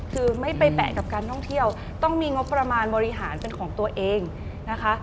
คือไม่ไปแปะกับการท่องเที่ยวต้องมีงบประมาณบริหารเป็นของตัวเองนะคะ